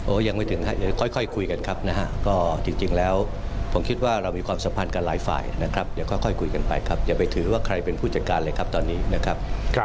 ก็ยังไม่ถึงครับเดี๋ยวค่อยคุยกันครับนะฮะก็จริงแล้วผมคิดว่าเรามีความสัมพันธ์กันหลายฝ่ายนะครับเดี๋ยวค่อยคุยกันไปครับอย่าไปถือว่าใครเป็นผู้จัดการเลยครับตอนนี้นะครับ